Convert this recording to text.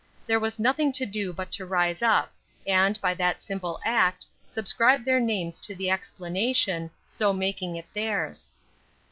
There was nothing to do but to rise up, and, by that simple act, subscribe their names to the explanation so making it theirs.